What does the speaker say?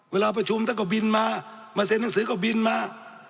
เวลาประชุมท่านก็บินมามาเซ็นหนังสือก็บินมา